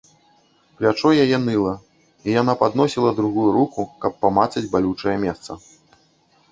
Плячо яе ныла, і яна падносіла другую руку, каб памацаць балючае месца.